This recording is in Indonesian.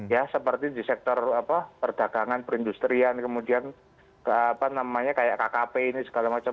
ya seperti di sektor perdagangan perindustrian kemudian kayak kkp ini segala macam